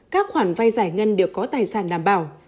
các khoản vay giải ngân đều có tài sản đảm bảo